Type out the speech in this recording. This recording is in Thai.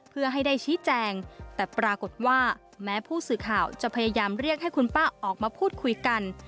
เพื่อให้ได้ชี้แจงแต่ปรากฏว่าแม้ผู้สื่อข่าวจะพยายามเรียกให้คุณป้าออกมาพูดคุยกัน